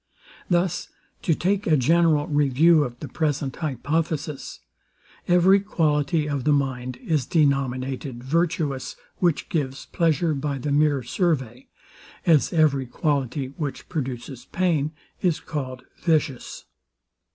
Thus, to take a general review of the present hypothesis: Every quality of the mind is denominated virtuous, which gives pleasure by the mere survey; as every quality, which produces pain, is called vicious.